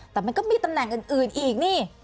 แต่มันก็มีตำแหน่งอื่นอีกนี่